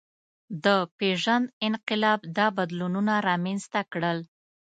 د پېژند انقلاب دا بدلونونه رامنځ ته کړل.